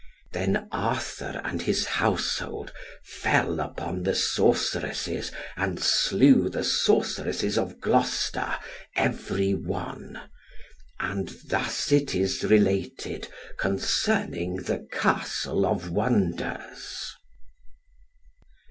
Then Arthur and his household fell upon the sorceresses, and slew the sorceresses of Gloucester every one And thus is it related concerning the Castle of Wonders.